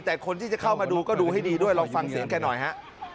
แต่คนที่จะเข้ามาดูก็ดูให้ดีด้วยลองฟังเสียงแกหน่อยฮะ